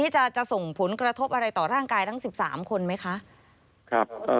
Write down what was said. จะส่งผลกระทบอะไรต่อร่างกายทั้ง๑๓คนไหมคะ